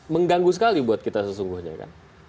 mengganggu sekali buat kita sesungguhnya kan